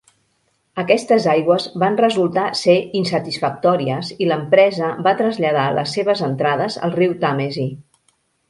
Aquestes aigües van resultar ser insatisfactòries i l'empresa va traslladar les seves entrades al riu Tàmesi.